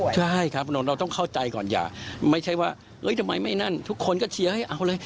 ใช่ครับถนนเราต้องเข้าใจก่อนอย่าไม่ใช่ว่าทำไมไม่นั่นทุกคนก็เชียร์ให้เอาเลย